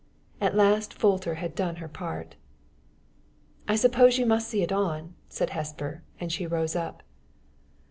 At last Folter had done her part. "I suppose you must see it on!" said Hesper, and she rose up.